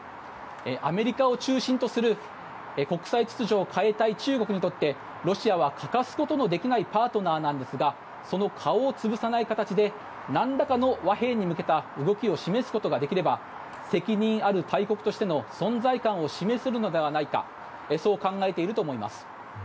アメリカを中心とする国際秩序を変えたい中国にとってロシアは欠かすことのできないパートナーなんですがその顔を潰さない形で何らかの和平に向けた動きを示すことができれば責任ある大国としての存在感を示せるのではないかそう考えていると思います。